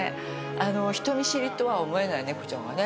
人見知りとは思えない猫ちゃんがね